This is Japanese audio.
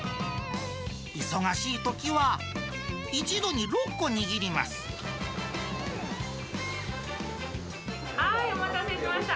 忙しいときは、はーい、お待たせしました。